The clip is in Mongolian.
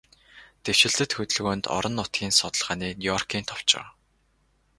Дэвшилтэт хөдөлгөөнд, орон нутгийн судалгааны Нью-Йоркийн товчоо